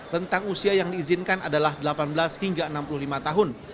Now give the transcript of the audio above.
rentang usia yang diizinkan adalah delapan belas hingga enam puluh lima tahun